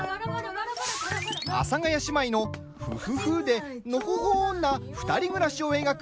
阿佐ヶ谷姉妹の「ふふふ」で「のほほん」な２人暮らしを描く